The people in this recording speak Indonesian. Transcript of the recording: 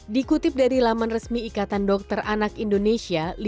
dikutip dari laman resmi ikatan dokter anak indonesia